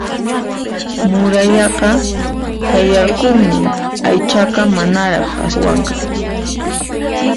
Murayaqa chayarqunñan aychaqa manaraq aswanqa